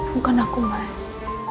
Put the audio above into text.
bukan aku mas